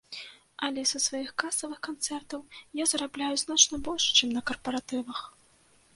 Але са сваіх касавых канцэртаў я зарабляю значна больш, чым на карпаратывах.